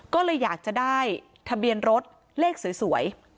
ก็เลยอยากจะได้ทะเบียนรถเลขสวย